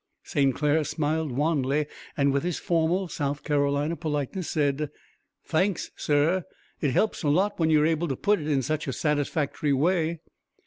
St. Clair smiled wanly and with his formal South Carolina politeness said: "Thanks, sir, it helps a lot when you're able to put it in such a satisfactory way."